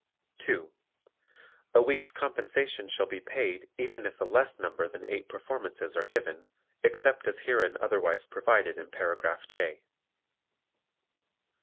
(2) A week's compensation shall be paid even if a less number than eight performances are given, except as herein otherwise provided in Paragraph J.